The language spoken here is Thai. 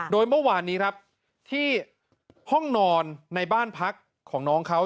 โดยเมื่อวานนี้ครับที่ห้องนอนในบ้านพักของน้องเขา